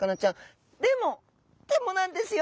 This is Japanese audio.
でもでもなんですよ！